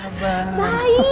baik mas juna